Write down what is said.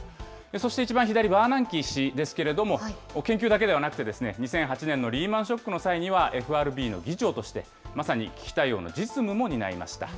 そして一番左、バーナンキ氏ですけれども、研究だけではなくて、２００８年のリーマン・ショックの際にはＦＲＢの議長としてまさに危機対応の実務も担いました。